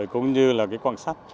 cũng như là cái quan sát